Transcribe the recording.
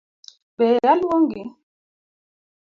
Be aluongi?